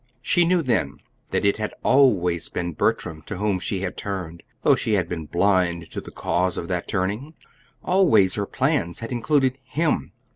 She knew then, that it had always been Bertram to whom she had turned, though she had been blind to the cause of that turning. Always her plans had included him.